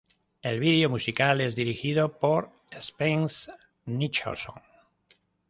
El vídeo musical es dirigido por Spence Nicholson.